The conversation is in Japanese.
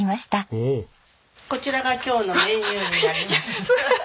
こちらが今日のメニューになります。